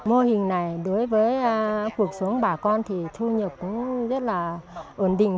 mô hình này đối với cuộc sống bà con thì thu nhập cũng rất là ổn định